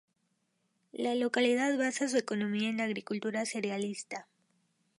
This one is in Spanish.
La localidad basa su economía en la agricultura cerealista.